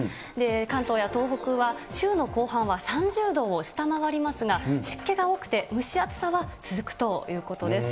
関東や東北は週の後半は３０度を下回りますが、湿気が多くて、蒸し暑さは続くということです。